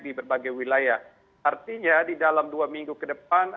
di berbagai wilayah artinya di dalam dua minggu ke depan